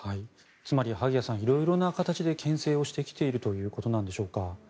つまり、萩谷さん色々な形でけん制をしてきているということなんでしょうか。